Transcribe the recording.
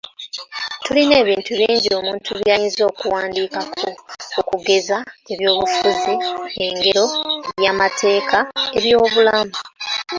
Tulina ebintu bingi omuntu by’ayinza okuwandiikako, okugeza, ebyobufuzi, engero, eby’amateeka, eby’obulamu .